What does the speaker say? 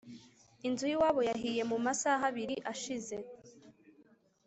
Inzu yiwabo yahiye mumasaaha abiri ashize